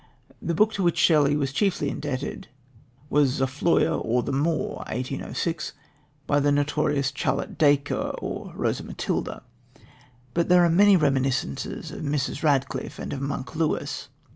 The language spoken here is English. The book to which Shelley was chiefly indebted was Zofloya or the Moor (1806), by the notorious Charlotte Dacre or "Rosa Matilda," but there are many reminiscences of Mrs. Radcliffe and of "Monk" Lewis.